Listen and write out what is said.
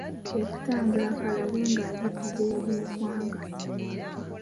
Kwe kutambulako alabe nga agiddiza eyagimukwanga.